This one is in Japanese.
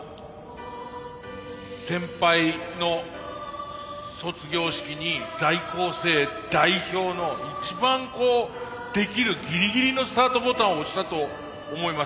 先輩の卒業式に在校生代表の一番できるギリギリのスタートボタンを押したと思います。